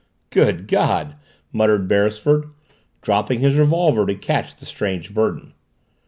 "Good God!" muttered Beresford, dropping his revolver to catch the strange burden.